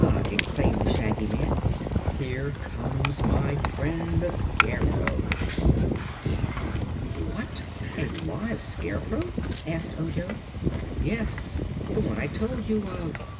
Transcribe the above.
exclaimed the Shaggy Man; "here comes my friend the Scarecrow." "What, a live Scarecrow?" asked Ojo. "Yes; the one I told you of.